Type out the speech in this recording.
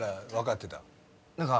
何か。